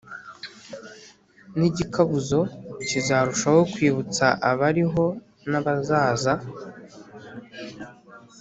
ni igikabuzo kizarushaho kwibutsa abariho n’abazaza